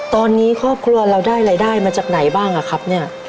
ตอนนี้ครอบครัวเราได้รายได้มาจากไหนบ้างอะครับเนี่ย